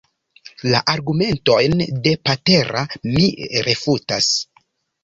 La argumentojn de Patera mi refutas.